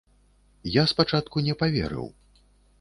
Я спачатку не паверыў.